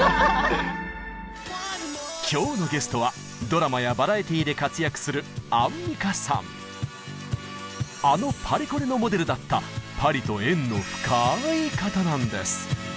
今日のゲストはドラマやバラエティーで活躍するあのパリコレのモデルだったパリと縁の深い方なんです。